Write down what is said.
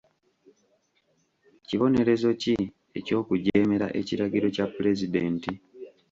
Kibonerezo ki eky'okujeemera ekiragiro kya pulezidenti?